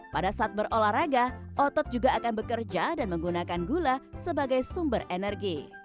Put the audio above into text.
pada saat berolahraga otot juga akan bekerja dan menggunakan gula sebagai sumber energi